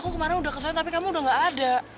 aku kemarin udah kesana tapi kamu udah gak ada